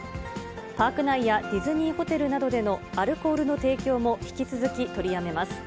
パーク内やディズニーホテルなどでのアルコールの提供も引き続き取りやめます。